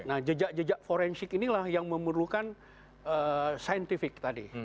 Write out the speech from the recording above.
nah jejak jejak forensik inilah yang memerlukan scientific tadi